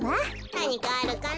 なにかあるかな？